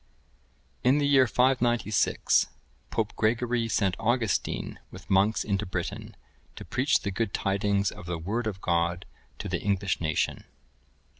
[III, 4.] In the year 596, Pope Gregory sent Augustine with monks into Britain, to preach the good tidings of the Word of God to the English nation.